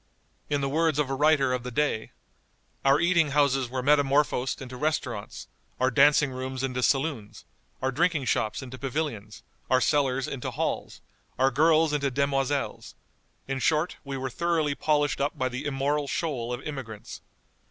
In the words of a writer of the day: "Our eating houses were metamorphosed into restaurants; our dancing rooms into saloons; our drinking shops into pavilions; our cellars into halls; our girls into demoiselles; in short, we were thoroughly polished up by the immoral shoal of immigrants.